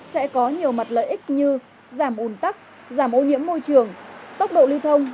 sẽ có nhiều mặt lợi ích như giảm ủn tắc giảm ô nhiễm môi trường tốc độ lưu thông